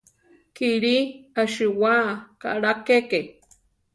Kilí asiwá kaʼlá keke.